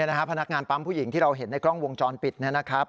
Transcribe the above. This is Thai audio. พนักงานปั๊มผู้หญิงที่เราเห็นในกล้องวงจรปิดนะครับ